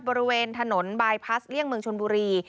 บริเวณถนนบายพลัสเลี่ยงเมืองชนบุรี